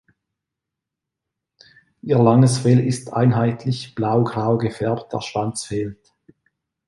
Ihr langes Fell ist einheitlich blaugrau gefärbt, der Schwanz fehlt.